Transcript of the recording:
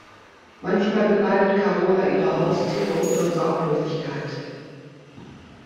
Manchmal beneidet Karola ihre Haustiere um ihre Sorglosigkeit.